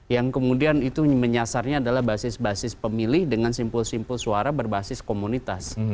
yang kemudian itu menyasarnya adalah basis basis pemilih dengan simpul simpul suara berbasis komunitas